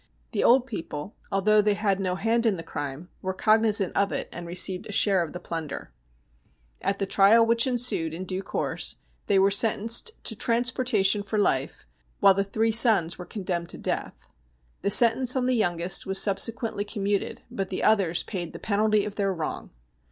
The old people, although they had no hand in the crime, were cognisant of it, and received a share of the plunder. At the 186 STORIES WEIRD AND WONDERFUL trial which ensued in due course they were sentenced to trans portation for life, while the three sons were condemned to eath. The sentence on the youngest was subsequently com muted, but the others paid the penalty of their wrong.